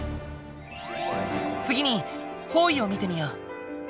次に方位を見てみよう。